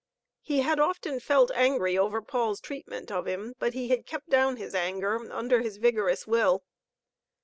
He had often felt angry over Paul's treatment of him, but he had kept down his anger under his vigorous will.